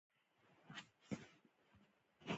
تیاره د وېرې کور دی.